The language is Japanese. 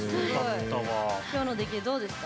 今日の出来どうですか？